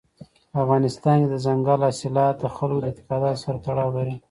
په افغانستان کې دځنګل حاصلات د خلکو د اعتقاداتو سره تړاو لري.